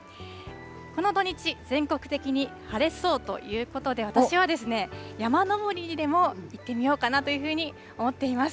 この土日、全国的に晴れそうということで、私はですね、山登りにでも行ってみようかなというふうに思っています。